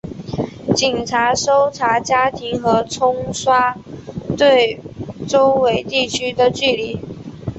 警察搜查家庭和冲刷对周围地区的距离。